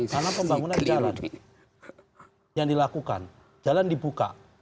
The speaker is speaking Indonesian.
karena pembangunan jalan yang dilakukan jalan dibuka